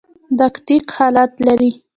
د اکتیت حالت لري.